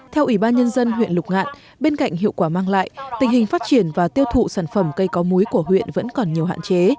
theo ủy ban nhân dân huyện lục ngạn bên cạnh hiệu quả mang lại tình hình phát triển và tiêu thụ sản phẩm cây có muối của huyện vẫn còn nhiều hạn chế